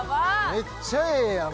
めっちゃええやん